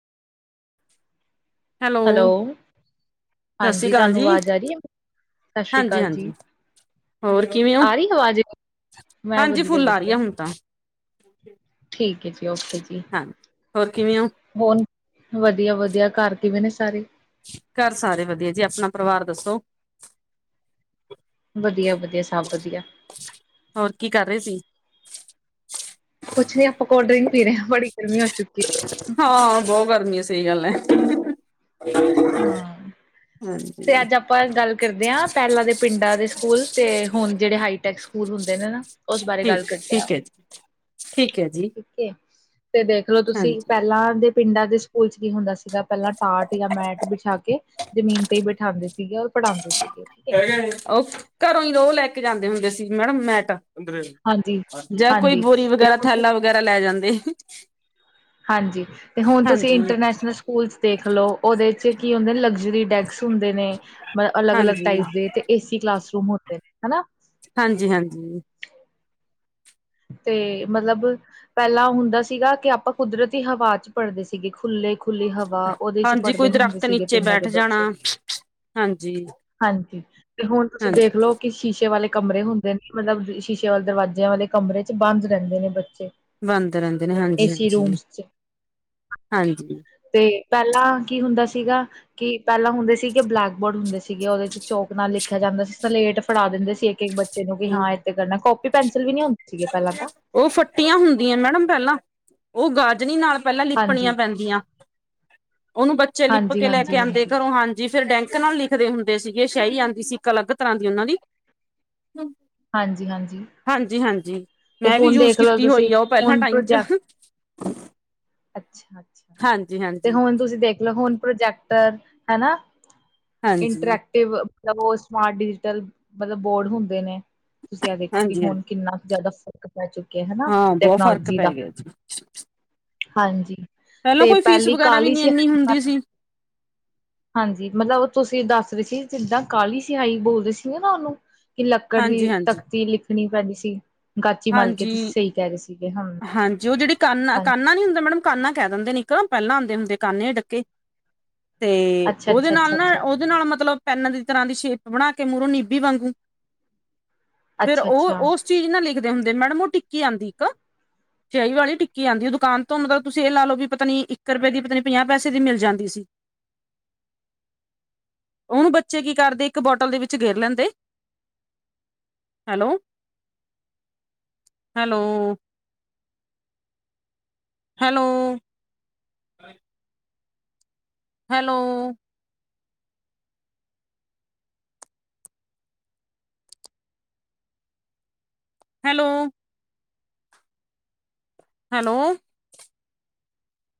Hello ਸਤਿ ਸ੍ਰੀ ਹਾਂਜੀ ਅਕਾਲ ਤੁਹਾਨੂੰ ਜੀ ਆਵਾਜ਼ ਆ ਰਹੀ ਹੈ? ਸਤਿ ਸ਼੍ਰੀ ਹਾਂਜੀ ਅਕਾਲ ਜੀ, -ਹਾਂਜੀ। ਹੋਰ ਕਿਵੇਂ ਹੋ ਆ ਰਹੀ ਆਵਾਜ਼? ਮੈਂ ਹਾਂਜੀ ਵਧੀਆ ਫੁੱਲ ਆ ਰਹੀ ਆ ਵਧੀਆ, ਹੁਣ ਤਾਂ ਠੀਕ ਹੈ ਜੀ ਓਕੇ ਜੀ ਹਾਂ ਹੋਰ ਕਿਵੇਂ ਹੋ? ਹੋਣ ਵਧੀਆ -ਵਧੀਆ ਘਰ ਕਿਵੇ ਨੇ ਸਾਰੇ ਘਰ ਸਾਰੇ ਵਧੀਆ ਜੀ ਆਪਣਾ ਪਰਿਵਾਰ ਦੱਸੋ? ਵਧੀਆ- ਵਧੀਆ ਸਭ ਵਧੀਆ ਹੋਰ ਕੀ ਕਰ ਰਹੇ ਸੀ? ਕੁਛ ਨੀ ਆਪਾਂ ਕੋਲਡ ਡਰਿੰਕ ਪੀ ਰਹੇ ਹਾਂ ਬੜੀ ਗਰਮੀ ਹੋ ਚੁੱਕੀ ਏ। ਹਾਂ ਬਹੁਤ ਗਰਮੀ ਹੈ ਸਹੀ ਗੱਲ ਹੈ, ਹਾਂ ਤੇ ਹਾਂਜੀ ਅੱਜ ਆਪਾਂ ਗੱਲ ਕਰਦੇ ਹਾਂ ਪਹਿਲਾਂ ਦੇ ਪਿੰਡਾਂ ਦੇ ਸਕੂਲ ਤੇ ਹੁਣ ਜਿਹੜੇ ਹਾਈਟੈਕ ਸਕੂਲ ਹੁੰਦੇ ਨੇ ਨਾ ਉਸ ਬਾਰੇ ਗੱਲ ਠੀਕ, ਕਰਦੇ ਆਂ। ਠੀਕ ਹੈ ਜੀ। ਠੀਕ ਹੈ ਜੀ, ਠੀਕ ਤੇ ਦੇਖਲੋ ਤੁਸੀਂ ਹਾਂਜੀ। ਪਹਿਲਾਂ ਦੇ ਪਿੰਡਾਂ ਦੇ ਸਕੂਲ 'ਚ ਕੀ ਹੁੰਦਾ ਸੀਗਾ ਪਹਿਲਾਂ ਟਾਟ ਜਾਂ ਮੈਟ ਬਿਛਾ ਕੇ ਜ਼ਮੀਨ ਤੇ ਹੀ ਬਿਠਾਂਦੇ ਸੀਗੇ। ਪੜ੍ਹਾਉਂਦੇ ਸੀ। [inaudible] ਉਹ ਘਰੋਂ ਹੀ ਰੋਜ ਲੈ ਕੇ ਜਾਂਦੇ ਹੁੰਦੇ ਸੀ ਮੈਡਮ ਮੈਟ ਹਾਂਜੀ ਜਾਂ ਕੋਈ ਹਾਂਜੀ ਬੋਰੀ ਤੇ ਵਗੈਰਾ ਹੁਣ ਥੈਲਾਂ ਵਗੈਰਾ ਲੈ ਜਾਂਦੇ ਹੀ। ਹਾਂਜੀ ਤੇ ਹੁਣ ਤੁਸੀਂ ਇੰਟਰਨੈਸ਼ਨਲ ਸਕੂਲ ਦੇਖ ਲਓ ਉਹਦੇ 'ਚ ਕੀ ਹੁੰਦਾ ਜਿ ਡੈਕਸ ਹੁੰਦੇ ਨੇ ਅਲੱਗ ਅਲੱਗ ਟਾਈਪ ਹਾਂਜੀ-ਹਾਂਜੀ, ਦੇ ਤੇ ਏਸੀ ਕਲਾਸਰੂਮ ਹੁੰਦੇ ਨੇ ਹਨਾ। ਹਾਂਜੀ- ਹਾਂਜੀ ਤੇ ਮਤਲਬ ਪਹਿਲਾਂ ਹੁੰਦਾ ਸੀਗਾ ਕਿ ਆਪਾਂ ਕੁਦਰਤੀ ਹਵਾ 'ਚ ਪੜ੍ਹਦੇ ਸੀਗੇ ਖੁੱਲੇ ਖੁੱਲੀ ਹਵਾ ਉਹਦੇ 'ਚ ਹਾਂਜੀ, ਕੋਈ ਪੜ੍ਹਦੇ ਹੁੰਦੇ ਦਰਖਤ ਸੀਗੇ ਨੀਚੇ ਪਿੰਡਾਂ ਬੈਠ ਦੇ ਜਾਣਾ, ਬੱਚੇ ਹਾਂਜੀ, ਹਾਂਜੀ ਤੇ ਹੁਣ ਤੁਸੀਂ ਹਾਂਜੀ। ਦੇਖ ਲਓ ਕਿ ਸ਼ੀਸ਼ੇ ਵਾਲੇ ਕਮਰੇ ਹੁੰਦੇ ਨੇ ਮਤਲਬ ਸ਼ੀਸ਼ੇ ਵਾਲੇ ਦਰਵਾਜਿਆਂ ਵਾਲੇ ਕਮਰੇ 'ਚ ਬੰਦ ਰਹਿੰਦੇ ਨੇ ਬੱਚੇ ਬਣਦੇ ਰਹਿੰਦੇ ਨੇ ਹਾਂਜੀ ਏਸੀ -ਹਾਂਜੀ ਰੂਮਸ ਚ -ਹਾਂਜੀ। ਤੇ ਪਹਿਲਾਂ ਕੀ ਹੁੰਦਾ ਸੀਗਾ ਕਿ ਪਹਿਲਾਂ ਹੁੰਦੇ ਸੀਗੇ ਬਲੈਕ ਬੋਰਡ ਹੁੰਦੇ ਸੀ। ਸੀਗੇ ਉਹਦੇ 'ਚ ਚੋਕ ਨਾਲ ਲਿਖਿਆ ਜਾਂਦਾ ਸੀ ਸਲੇਟ ਫੜਾ ਦਿੰਦੇ ਸੀ ਇੱਕ ਇੱਕ ਬੱਚੇ ਨੂੰ ਕਿ ਹਾਂ ਇੱਥੇ ਕਰਨਾ ਕੋਪੀ ਪੈਨਸਿਲ ਵੀ ਨਹੀ ਹੁੰਦੀ। ਉਹ ਫੱਟੀਆਂ ਹੁੰਦੀਆਂ ਮੈਡਮ ਪਹਿਲਾਂ ਉਹ ਗਾਜਨੀ ਨਾਲ ਪਹਿਲਾਂ ਹਾਂਜੀ, ਲਿਪਣੀਆਂ ਪੈਂਦੀਆਂ ਉਹਨੂੰ ਬੱਚੇ ਲਿਪ ਹਾਂਜੀ, ਕੇ ਲੈ ਹਾਂਜੀ, ਕੇ ਆਉਂਦੇ ਹਾਂਜੀ, ਘਰੋਂ ਹਾਂਜੀ। ਫਿਰ ਡੈਂਕ ਨਾਲ ਲਿਖਦੇ ਹੁੰਦੇ ਸੀਗੇ ਸ਼ਿਆਹੀ ਆਂਦੀ ਸੀ ਇੱਕ ਅਲੱਗ ਤਰ੍ਹਾਂ ਦੀ ਉਹਨਾਂ ਦੀ ਹਾਂਜੀ- ਹਾਂਜੀ ਹਾਂਜੀ ਹਾਂਜੀ ਤੇ ਮੈਂ ਵੀ ਹੁਣ ਯੂਜ ਦੇਖ ਲਓ ਕੀਤੀ ਤੁਸੀਂ ਹੋਈ ਆ ਉਹ ਪਹਿਲਾਂ ਟਾਈਮ 'ਚ [inaudible] ਅੱਛਾ -ਅੱਛਾ ਹਾਂਜੀ ਤੇ ਹਾਂਜੀ ਹੁਣ ਤੁਸੀਂ ਦੇਖ ਲਓ ਹੁਣ ਪ੍ਰੋਜੈਕਟਰ ਹਨਾ। ਹਾਂਜੀ ਹਾਂਜੀ ਇੰਟਰੈਕਟਿਵ ਮਤਲਬ ਉਹ ਸਮਾਰਟ ਡਿਜੀਟਲ ਮਤਲਬ ਬੋਰਡ ਹੁੰਦੇ ਨੇ। ਤੁਸੀਂ ਆ ਦੇਖੋ ਵੀ ਹਾਂਜੀ ਹੁਣ ਕਿੰਨਾ ਜ਼ਿਆਦਾ ਬਹਿ ਚੁੱਕੇ ਹਨਾ ਹਾਂ ਬਹੁਤ ਫ਼ਰਕ ਟੈਕਨੋਲੋਜੀ ਪੈ ਦਾ ਗਿਆ ਜੀ ਹਾਂਜੀ। ਪਹਿਲਾਂ ਤੇ ਕੋਈ ਫੀਸ ਪਹਿਲੀ ਵਗੈਰਾ ਵੀ ਕਾਲੀ ਨੀ ਇਨੀ ਸਿਆਹੀ ਹੁੰਦੀ ਮਤਲਬ ਸੀ। ਹਾਂਜੀ ਮਤਲਬ ਤੁਸੀਂ ਦੱਸ ਰਹੇ ਸੀ ਜਿੱਦਾਂ ਕਾਹਲੀ ਸਿਹਾਈ ਬੋਲਦੇ ਸੀਗੇ ਨਾ ਉਹਨੂੰ ਕਿ ਲੱਕੜ ਦੀ ਹਾਂਜੀ ਹਾਂਜੀ ਤਖ਼ਤੀ ਲਿਖਣੀ ਪੈਂਦੀ ਸੀ, ਗਾਚੀ ਮਲ ਕੇ ਤੁਸੀਂ ਹਾਂਜੀ ਸਹੀ ਕਹਿ ਰਹੇ ਸੀ। ਹਾਂਜੀ ਉਹ ਜਿਹੜੀ ਕਾਨਾ ਕਾਨਾ ਨੀ ਹੁੰਦਾ ਮੈਡਮ ਕਾਨਾ ਕਹਿ ਦਿੰਦੇ ਨ ਇੱਕਰ ਪਹਿਲਾਂ ਆਉਂਦੇ ਹੁੰਦੇ ਕਾਨੇ ਡੱਕੇ ਤੇ ਅੱਛਾ ਉਹਦੇ ਅੱਛਾ ਨਾਲ ਅੱਛਾ ਨਾ ਅੱਛਾ ਉਹਦੇ ਨਾਲ ਮਤਲਬ ਪੈਨ ਦੀ ਤਰ੍ਹਾਂ ਦੀ ਸ਼ੇਪ ਬਣਾ ਕੇ ਮੂਹੋਂ ਨੀਬੀ ਵਾਂਗੂ ਫੇਰ ਅੱਛਾ ਉਹ ਅੱਛਾ ਉਸ ਚੀਜ਼ ਨਾਲ ਲਿਖ ਹੁੰਦੇ ਮੈਡਮ ਉਹ ਟਿੱਕੀ ਆਉਂਦੀ ਇੱਕ ਸਿਆਈ ਵਾਲੀ ਟਿੱਕੀ ਆਉਂਦੀ ਦੁਕਾਨ ਤੋਂ ਮਤਲਬ ਤੁਸੀਂ ਇਹ ਲਾ ਲ ਲੋ ਵੀ ਪਤਾ ਨੀ ਇੱਕ ਰੁਪਏ ਦੀ ਪਤਾ ਨੀ ਪੰਜਾਹ ਪੈਸੇ ਦੀ ਮਿਲ ਜਾਂਦੀ ਇਸ ਉਹਨੂੰ ਬੱਚੇ ਕੀ ਕਰਦੇ ਇੱਕ ਬੋਟਲ ਦੇ ਵਿੱਚ ਗੇਰ ਲੈਂਦੇ। Hello hello. Hello. Hello. Hello. Hello.